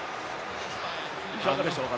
いかがでしょうか。